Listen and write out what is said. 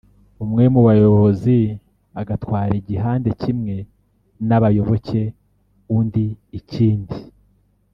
umwe mu bayobozi agatwara igihande kimwe cy’abayoboke undi ikindi